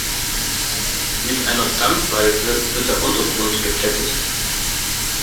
Mit einer Dampfwalze wird der Untergrund geplättet.